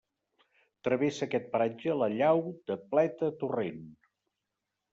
Travessa aquest paratge la llau de Pleta Torrent.